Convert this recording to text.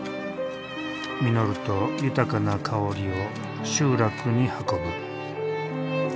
実ると豊かな香りを集落に運ぶ。